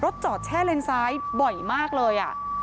จอดแช่เลนซ้ายบ่อยมากเลย